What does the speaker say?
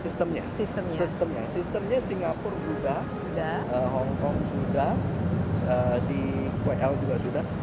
sistemnya sistemnya singapura sudah hongkong sudah di kuala lumpur juga sudah